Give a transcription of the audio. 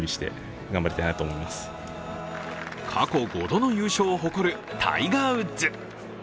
過去５度の優勝を誇るタイガー・ウッズ。